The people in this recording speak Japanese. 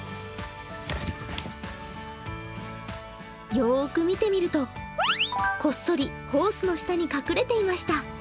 よーく見てみるとこっそりホースの下に隠れていました。